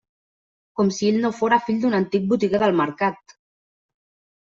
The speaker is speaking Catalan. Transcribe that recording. Com si ell no fóra fill d'un antic botiguer del Mercat!